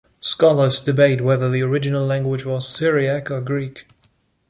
Scholars debate whether the original language was Syriac or Greek.